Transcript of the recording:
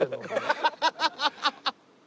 ハハハハ！